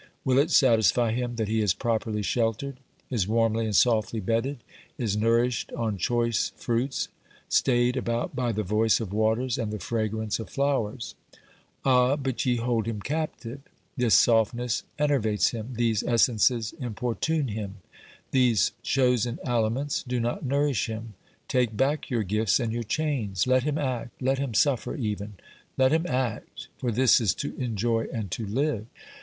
Will it satisfy him that he is properly sheltered, is warmly and softly bedded, is nourished on choice fruits, stayed about by the voice of waters and the fragrance of flowers ? Ah, but ye hold him captive ! This softness enervates him, these essences importune him, these chosen aliments do not nourish him ! Take back your gifts and your chains ; let him act, let him suffer even ; let him act, for this is to enjoy and to live.